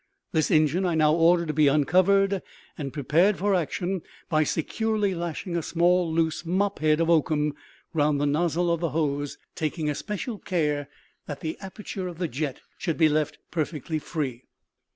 This engine I now ordered to be uncovered, and prepared for action by securely lashing a small loose mop head of oakum round the nozzle of the hose, taking especial care that the aperture of the jet should be left perfectly free.